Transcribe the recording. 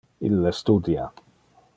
Ille studia.